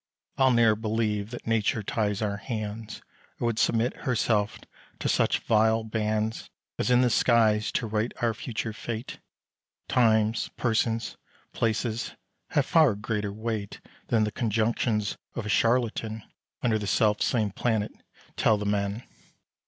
I'll ne'er believe that Nature ties our hands, Or would submit herself to such vile bands, As in the skies to write our future fate; Times, persons, places, have far greater weight Than the conjunctions of a charlatan, Under the self same planet, tell the man.